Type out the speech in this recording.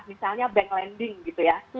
misalnya bank landing gitu ya